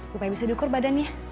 supaya bisa diukur badannya